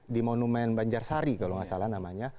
di monumen banjarsari kalau nggak salah namanya